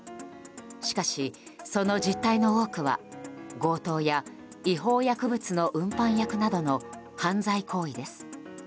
しかし、その実態の多くは強盗や違法薬物の運搬役などの犯罪行為です。